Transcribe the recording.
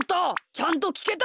ちゃんときけた？